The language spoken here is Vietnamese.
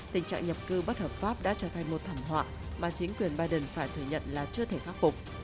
tình trạng nhập cư bất hợp pháp đã trở thành một thảm họa mà chính quyền biden phải thừa nhận là chưa thể khắc phục